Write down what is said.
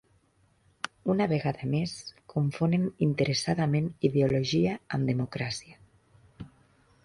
Una vegada més, confonen interessadament ideologia amb democràcia.